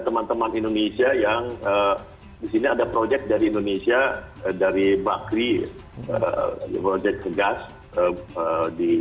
teman teman indonesia yang disini ada proyek dari indonesia dari bakri project ke gas di